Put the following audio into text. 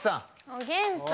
おげんさん。